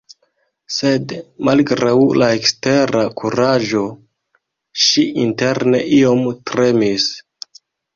Sed malgraŭ la ekstera kuraĝo, ŝi interne iom tremis.